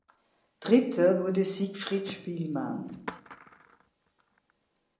Dritter wurde Siegfried Spielmann.